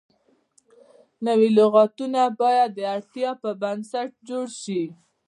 نوي لغتونه باید د اړتیا پر بنسټ جوړ شي.